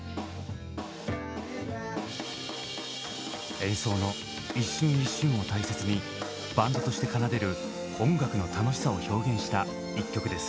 演奏の一瞬一瞬を大切にバンドとして奏でる音楽の楽しさを表現した一曲です。